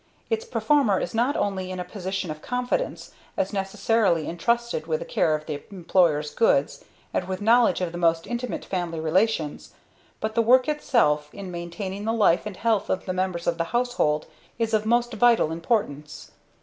Its performer is not only in a position of confidence, as necessarily entrusted with the care of the employer's goods and with knowledge of the most intimate family relations; but the work itself, in maintaining the life and health of the members of the household, is of most vital importance.